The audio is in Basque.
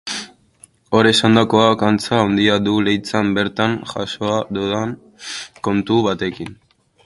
Hor esandakoak, antza haundia du Leitzan bertan jasoa dudan kontu batekin.